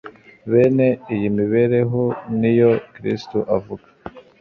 Bene iyi mibereho ni yo Kristo avuga